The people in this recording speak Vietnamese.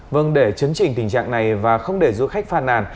vâng để chấn trình tình trạng này và không để du khách phàn nàn